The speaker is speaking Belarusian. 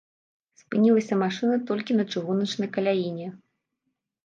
Спынілася машына толькі на чыгуначнай каляіне.